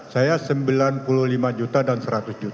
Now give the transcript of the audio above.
saya sembilan puluh lima juta dan seratus juta